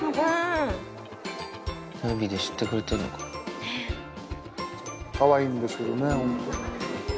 テレビで知ってくれてるのかかわいいんですけどね、本当に。